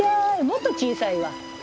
もっと小さいわ。